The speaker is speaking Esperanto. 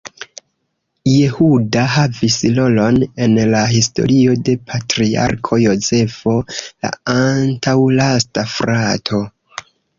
Jehuda havis rolon en la historio de Patriarko Jozefo, la antaŭlasta frato.